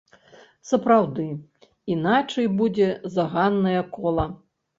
Сапраўды, іначай будзе заганнае кола.